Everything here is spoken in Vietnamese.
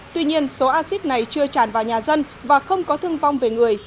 tuy nhiên số acid này chưa tràn vào nhà dân và không có thương vong về người